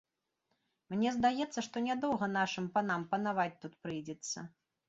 Мне здаецца, што нядоўга нашым панам панаваць тут прыйдзецца.